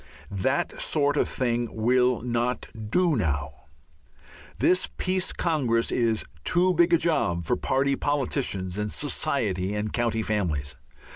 That sort of thing will not do now. This Peace Congress is too big a job for party politicians and society and county families.